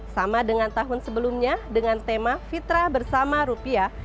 sama dengan tahun sebelumnya dengan tema fitrah bersama rupiah